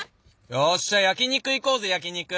よっしゃ焼き肉行こうぜ焼き肉。